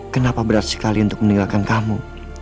kenapa berat sekali untuk meninggalkan kamu